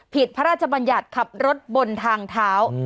พระราชบัญญัติขับรถบนทางเท้า